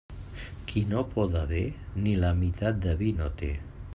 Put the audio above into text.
Qui no poda bé, ni la meitat de vi no té.